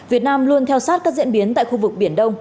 việt nam luôn theo sát các diễn biến tại khu vực biển đông